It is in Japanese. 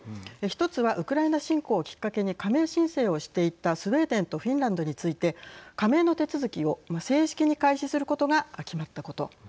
１つはウクライナ侵攻をきっかけに加盟申請をしていたスウェーデンとフィンランドについて加盟の手続きを正式に開始することが決まったこと。